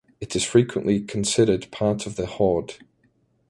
It is frequently considered part of the Haud.